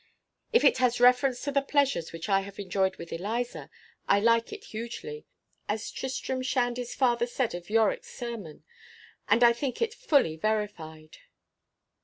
If it has reference to the pleasures which I have enjoyed with Eliza, I like it hugely, as Tristram Shandy's father said of Yorick's sermon; and I think it fully verified.